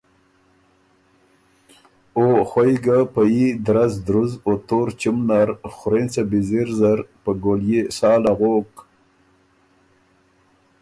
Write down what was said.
او خوئ ګه په يي درز درُز او تور چُم نر خورېنڅه بیزِر زر په ګوليې سا اغوک